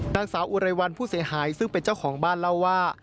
นางสาวอุไรวันผู้เสียหายซึ่งเป็นเจ้าของบ้านเล่าว่า